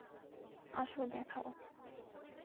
আসো, দেখাও।